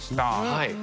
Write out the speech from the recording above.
はい。